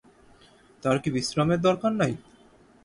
তার কি বিশ্রামের দরকার নই?